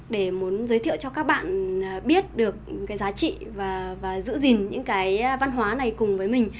để muốn giới thiệu cho các bạn biết được cái giá trị và giữ gìn những cái văn hóa này cùng với mình